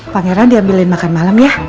pangeran diambilin makan malam ya